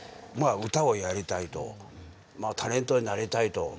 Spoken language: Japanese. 歌をやりたいとタレントになりたいと。